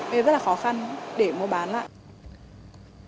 vì rất là khó khăn để mua bán lại